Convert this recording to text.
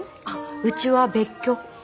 うちは別居。